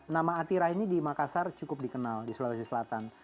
nama atirah ini di makassar cukup dikenal di sulawesi selatan